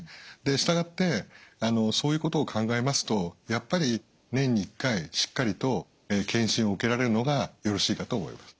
従ってそういうことを考えますとやっぱり年に１回しっかりと検診を受けられるのがよろしいかと思います。